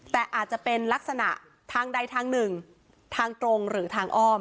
แต่อาจจะเป็นลักษณะทางใดทางหนึ่งทางตรงหรือทางอ้อม